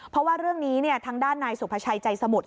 เพราะว่าเรื่องนี้ทางด้านนายสุภาชัยใจสมุทร